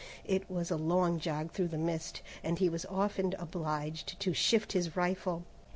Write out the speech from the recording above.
It was a long jog through the mist, and he was often obliged to shift his rifle.